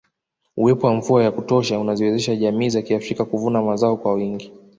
Uwepo wa mvua ya kutosha unaziwezesha jamii za kiafrika kuvuna mazao kwa wingi